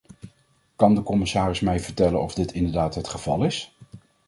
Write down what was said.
Kan de commissaris mij vertellen of dit inderdaad het geval is?